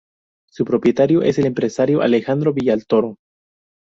Su propietario es el empresario Alejandro Villatoro.